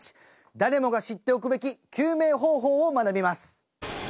誰もが知っておくべき救命方法を学びます